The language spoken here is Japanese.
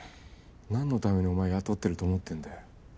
何のためにお前雇ってると思ってんだよ